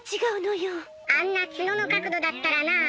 あんなツノの角度だったらなあ。